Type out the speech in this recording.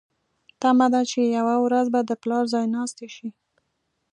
تمه ده چې یوه ورځ به د پلار ځایناستې شي.